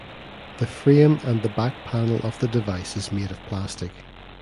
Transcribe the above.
The frame and the back panel of the device is made of plastic.